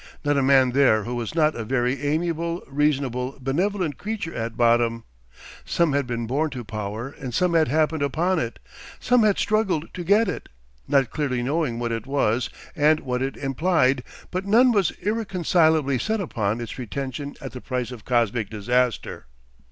Not a man there who was not a very amiable, reasonable, benevolent creature at bottom; some had been born to power and some had happened upon it, some had struggled to get it, not clearly knowing what it was and what it implied, but none was irreconcilably set upon its retention at the price of cosmic disaster.